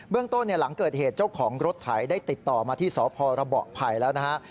เรื่องต้นหลังเกิดเหตุเจ้าของรถไถได้ติดต่อมาที่สพระเบาะไผ่แล้วนะฮะ